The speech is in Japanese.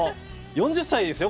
４０歳ですよ